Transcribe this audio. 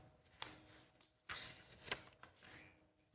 อืม